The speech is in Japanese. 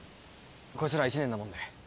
こいつら１年なもんで。